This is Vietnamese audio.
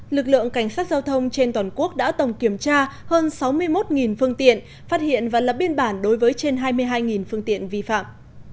lực lượng cảnh sát giao thông trên toàn quốc đã tổng kiểm tra hơn sáu mươi một phương tiện phát hiện và lập biên bản đối với trên hai mươi hai phương tiện vi phạm